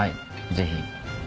ぜひ。